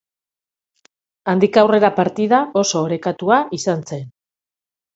Handik aurrera partida oso orekatua izan zen.